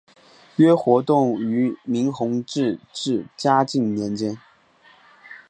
约活动于明弘治至嘉靖年间。